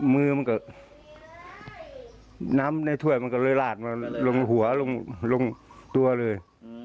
มือมันก็น้ำในถ้วยมันก็เลยลาดมาลงหัวลงตัวเลย